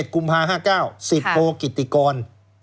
๒๑กุมภา๕๙ศิษย์โปรกิติกร